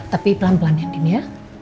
tapi pelan pelan andin ya